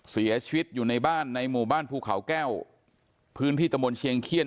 เสียชีวิตอยู่ในบ้านในหมู่บ้านภูเขาแก้วพื้นที่ตะมนต์เชียงเขี้ยน